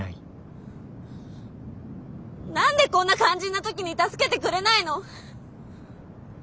何でこんな肝心な時に助けてくれないの？